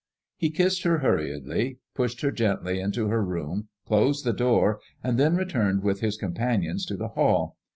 He kissed her hurriedly, pushed her gently into her room, closed the door, and then returned with his companions to the hall.